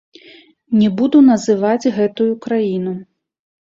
Не буду называць гэтую краіну.